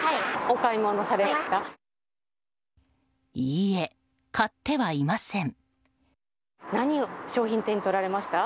いいえ、買ってはいません。